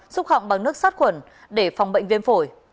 xúc họng bằng nước sát khuẩn để phòng bệnh viêm phổi